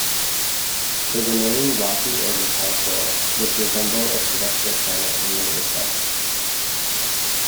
The remaining rocky or metallic core would resemble a terrestrial planet in many respects.